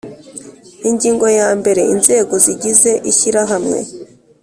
Ingingo ya mbere inzego zigize ishyirahamwe